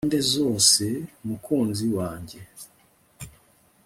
impande zose mukunzi wanjye